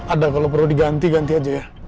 ada kalau perlu diganti ganti aja ya